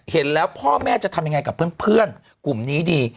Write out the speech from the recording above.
เห็นแล้วพ่อแม่จะทำยังไงกับเพื่อนกลุ่มนี้ดี